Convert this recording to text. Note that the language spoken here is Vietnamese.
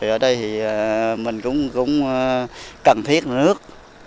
ở đây thì mình cũng cần thiết nước